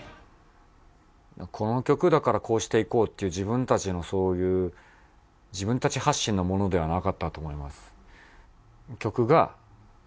この曲だからこうしていこうっていう自分たちのそういう自分たち発信のものではなかったと思います。